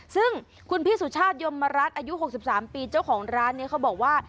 ซึ่งคุณพี่สุชาติยมรัฐอายุ๖๓ปีเจ้าของร้านนี้เขาบอกว่า